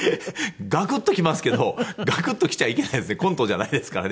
ガクッときますけどガクッときちゃいけないですねコントじゃないですからね。